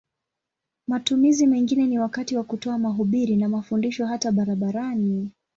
Matumizi mengine ni wakati wa kutoa mahubiri na mafundisho hata barabarani.